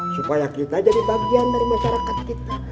supaya kita jadi bagian dari masyarakat kita